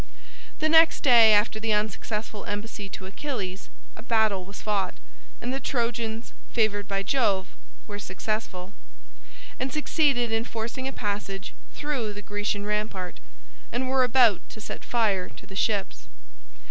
The next day after the unsuccessful embassy to Achilles, a battle was fought, and the Trojans, favored by Jove, were successful, and succeeded in forcing a passage through the Grecian rampart, and were about to set fire to the ships.